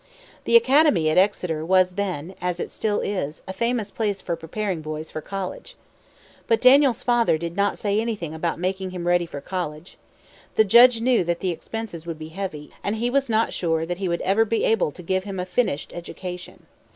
The academy at Exeter was then, as it still is, a famous place for preparing boys for college. But Daniel's father did not say anything about making him ready for college. The judge knew that the expenses would be heavy, and he was not sure that he would ever be able to give him a finished education.